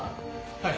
はい。